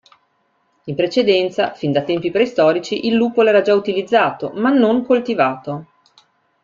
In precedenza, fin da tempi preistorici, il luppolo era già utilizzato, ma non coltivato.